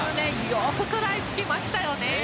よく食らいつきましたよね。